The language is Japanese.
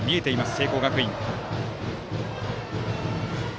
聖光学院。